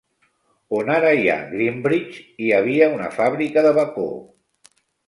On ara hi ha Greenbridge hi havia una fàbrica de bacó.